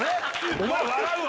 お前、笑うわ。